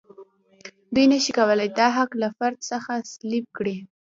دوی نشي کولای دا حق له فرد څخه سلب کړي.